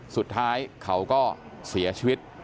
สุดท้ายเขาก็เสียชีวิต